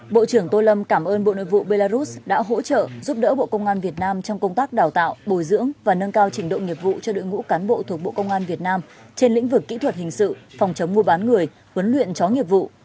bộ trưởng tô lâm cảm ơn bộ nội vụ belarus đã hỗ trợ giúp đỡ bộ công an việt nam trong công tác đào tạo bồi dưỡng và nâng cao trình độ nghiệp vụ cho đội ngũ cán bộ thuộc bộ công an việt nam trên lĩnh vực kỹ thuật hình sự phòng chống mua bán người huấn luyện chó nghiệp vụ